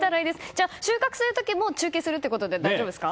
じゃあ、収穫する時も中継するってことで大丈夫ですか？